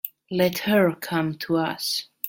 Let her come to us.